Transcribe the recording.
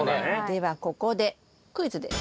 ではここでクイズです。